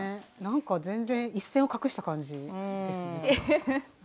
なんか全然一線を画した感じですね。